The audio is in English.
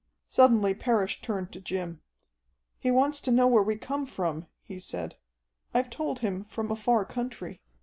Suddenly Parrish turned to Jim. "He wants to know where we come from," he said. "I've told him from a far country.